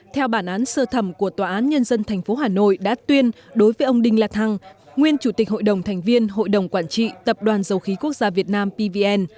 theo bản án sơ thẩm của tòa án nhân dân tp hà nội đã tuyên đối với ông đinh la thăng nguyên chủ tịch hội đồng thành viên hội đồng quản trị tập đoàn dầu khí quốc gia việt nam pvn